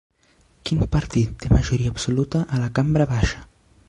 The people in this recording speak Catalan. Quin partit té majoria absolta a la cambra baixa?